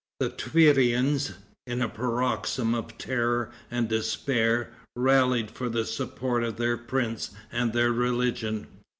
The Tverians, in a paroxysm of terror and despair, rallied for the support of their prince and their religion.